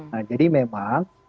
nah jadi memang